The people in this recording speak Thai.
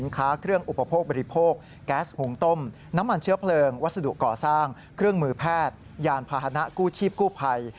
เครื่องมือแพทย์ยานพาหนะกู้ชีพกู้ภัย